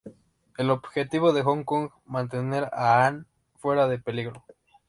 El objetivo de Kong es mantener a Ann fuera de peligro.